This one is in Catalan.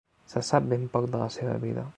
Se sap ben poc de la seva vida.